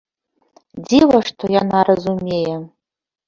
Дзіва, што яна разумее.